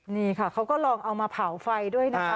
นี่ค่ะเขาก็ลองเอามาเผาไฟด้วยนะคะ